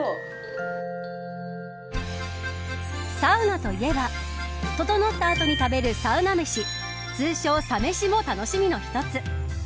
サウナといえばととのった後に食べるサウナ飯通称、サ飯も楽しみの一つ。